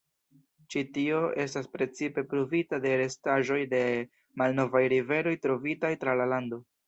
Ĉi tio estas precipe pruvita de restaĵoj de malnovaj riveroj trovitaj tra la lando.